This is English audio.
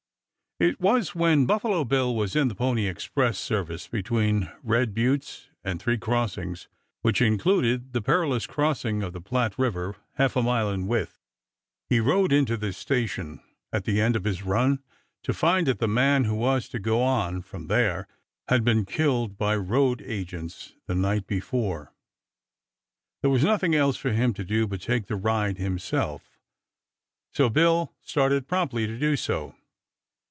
It was when Buffalo Bill was in the Pony Express service between Red Buttes and Three Crossings, which included the perilous crossing of the Platte River, half a mile in width. He rode into the station at the end of his run to find that the man who was to go on from there had been killed by road agents the night before. There was nothing else for him to do but take the ride himself, so Bill started promptly to do so.